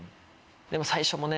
でも最初もね。